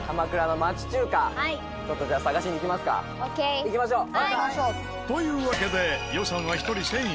「行きましょう！」というわけで予算は１人１０００円。